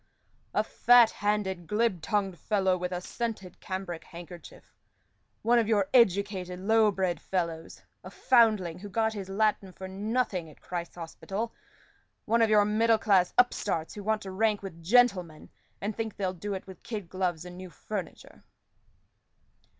"A fat handed, glib tongued fellow, with a scented cambric handkerchief; one of your educated low bred fellows; a foundling who got his Latin for nothing at Christ's Hospital; one of your middle class upstarts who want to rank with gentlemen, and think they'll do it with kid gloves and new furniture."